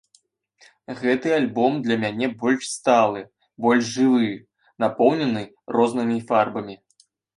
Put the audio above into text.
Гэты альбом для мяне больш сталы, больш жывы, напоўнены рознымі фарбамі.